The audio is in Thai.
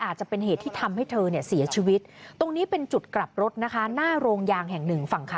จุดกลับรถนะคะหน้าโรงยางแห่งหนึ่งฝั่งค่ะ